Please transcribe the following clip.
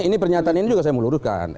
ini pernyataan ini juga saya mau luruskan